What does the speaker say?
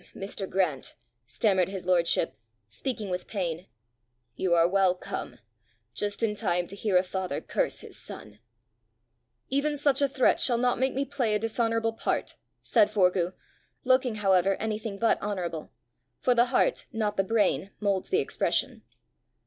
"Mr. Grant," stammered his lordship, speaking with pain, "you are well come! just in time to hear a father curse his son!" "Even such a threat shall not make me play a dishonourable part!" said Forgue, looking however anything but honourable, for the heart, not the brain, moulds the expression.